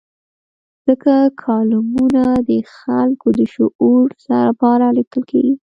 ځکه کالمونه د خلکو د شعور لپاره لیکل کېږي.